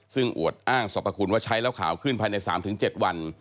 ซึ่งอวดอ้างสรรพคุณว่าใช้แล้วขาวขึ้นภายใน๓๗วัน